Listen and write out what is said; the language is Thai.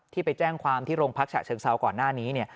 ไปแจ้งความที่โรงพักฉะเชิงเซาก่อนหน้านี้